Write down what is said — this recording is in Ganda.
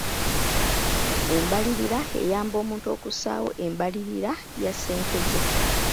Embalirira eyamba omuntu okussaawo embalirira ya ssente ze.